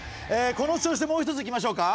この調子でもう一ついきましょうか。